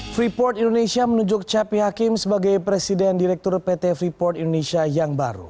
freeport indonesia menunjuk cepi hakim sebagai presiden direktur pt freeport indonesia yang baru